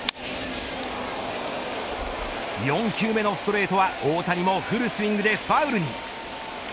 ４球目のストレートは大谷もフルスイングでファウルに。